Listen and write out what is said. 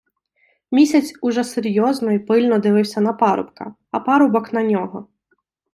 Місяць уже серйозно й пильно дивився на парубка, а парубок на його.